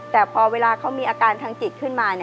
แต่พอเวลาเขามีอาการทางจิตขึ้นมา